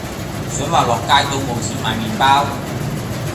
想話落街都冇錢買麵包